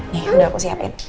nih udah aku siapin